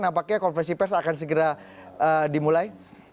nampaknya konversi pers akan segera dimulai